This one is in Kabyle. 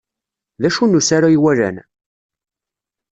D acu n usaru ay walan?